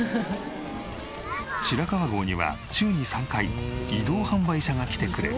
白川郷には週に３回移動販売車が来てくれる。